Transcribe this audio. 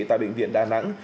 tại địa bàn thành phố đà nẵng